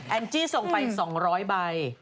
จี้ส่งไป๒๐๐ใบ